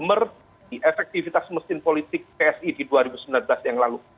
seperti efektivitas mesin politik psi di dua ribu sembilan belas yang lalu